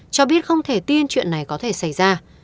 cho biết không thể tin chuyện này có thể xảy ra